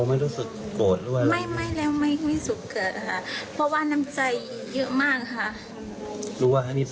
ก็รู้ว่าไม่ได้แบบวกวัตถ์เหตุอย่างนั้น